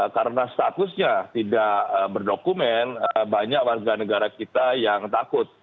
karena statusnya tidak berdokumen banyak warga negara kita yang takut